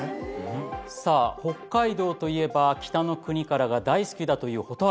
さあ北海道といえば『北の国から』が大好きだという蛍原さん。